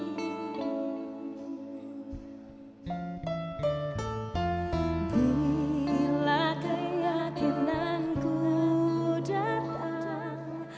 bila keyakinanku datang